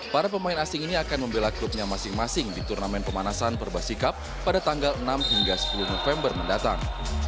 para pemain asing ini akan membela klubnya masing masing di turnamen pemanasan perbasikap pada tanggal enam hingga sepuluh november mendatang